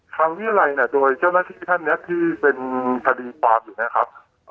วิรัยเนี่ยโดยเจ้าหน้าที่ท่านเนี่ยที่เป็นคดีความอยู่นะครับ